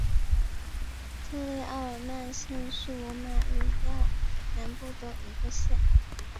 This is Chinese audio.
特列奥尔曼县是罗马尼亚南部的一个县。